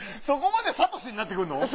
そこまでサトシになってくんの？